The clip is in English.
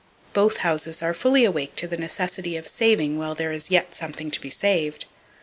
Both houses are fully awake to the necessity of saving while there is yet something to be saved.